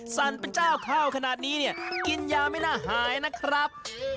สั่นเป็นเจ้าข้าวขนาดนี้เนี่ยกินยาไม่น่าหายนะครับ